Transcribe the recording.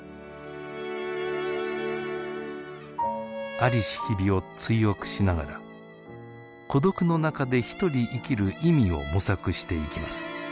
在りし日々を追憶しながら孤独の中で一人生きる意味を模索していきます。